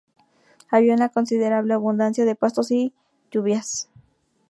Había una considerable abundancia de pastos y lluvias.